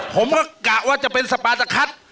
ผมก็กะว่าจะเป็นสปาตะคัท